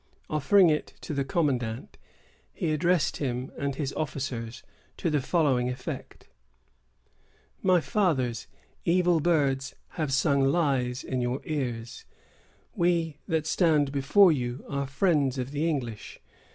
Offering it to the commandant, he addressed him and his officers to the following effect: "My fathers, evil birds have sung lies in your ear. We that stand before you are friends of the English.